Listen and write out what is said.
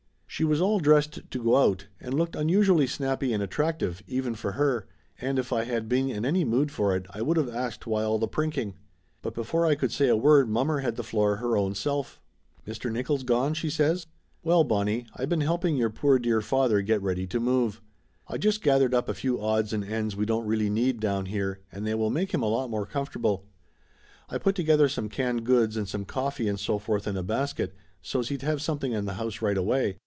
She was all dressed to go out, and looked unusually snappy and attractive, even for her, and if I had been in any mood for it I would of asked why all the prink ing? But before I could say a word mommer had the floor her own self. "Mr. Nickolls gone?" she says. "Well, Bonnie, I been helping your poor dear father get ready to move. I just gathered up a few odds and ends we don't really need down here and they will make him a lot more comfortable. I put together some canned goods and some coffee and so forth in a basket, so's he'd have something in the house right away.